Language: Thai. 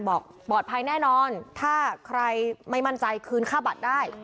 บอกปลอดภัยแน่นอนถ้าใครไม่มั่นใจคืนค่าบัตรได้